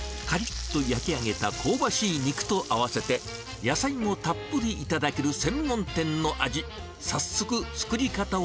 かりっと焼き上げた香ばしい肉と合わせて、野菜もたっぷり頂ける専門店の味。